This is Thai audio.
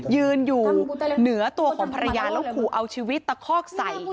ยืนอยู่เหนือตัวของภรรยาแล้วขู่เอาชีวิตตะคอกใส่